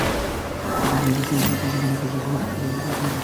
ছুটি ময়মনসিংহের পথে, যেখানে খুশি সেখানে থামি, সুযোগ বুঝে দু-চারটা ছবি তুলি।